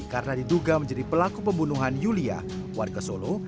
karena diduga menjadi pelaku pembunuhan yulia warga solo